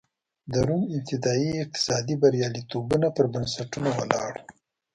د روم ابتدايي اقتصادي بریالیتوبونه پر بنسټونو ولاړ و